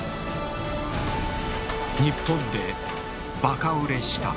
日本でバカ売れした。